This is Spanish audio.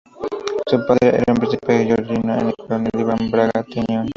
Su padre era un príncipe georgiano, el coronel Iván Bagrationi.